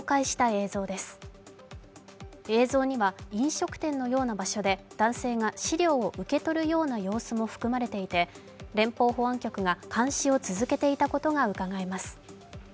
映像には、飲食店のような場所で男性が資料を受け取るような様子も含まれていて連邦保安局が監視を続けていたことがうかがえます。